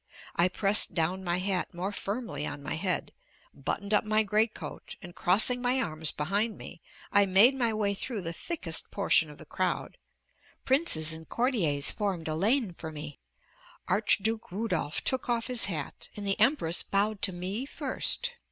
I pressed down my hat more firmly on my head, buttoned up my great coat, and crossing my arms behind me, I made my way through the thickest portion of the crowd. Princes and courtiers formed a lane for me; Archduke Rudolph took off his hat, and the Empress bowed to me first.